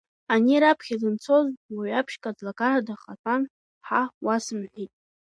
Ани раԥхьа данцоз уаҩаԥшьк аӡлагара дахатәан ҳа уасымҳәеи.